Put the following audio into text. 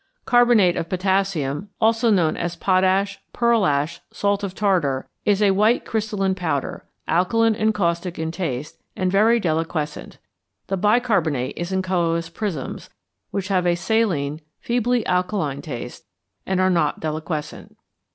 =Carbonate of Potassium=, also known as potash, pearlash, salt of tartar, is a white crystalline powder, alkaline and caustic in taste, and very deliquescent. The bicarbonate is in colourless prisms, which have a saline, feebly alkaline taste, and are not deliquescent.